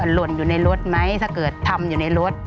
หล่นอยู่ในรถไหมถ้าเกิดทำอยู่ในรถ